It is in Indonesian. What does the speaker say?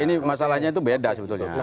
ini masalahnya itu beda sebetulnya